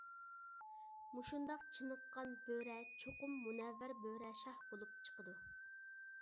مۇشۇنداق چېنىققان بۆرە چوقۇم مۇنەۋۋەر بۆرە شاھ بولۇپ چىقىدۇ.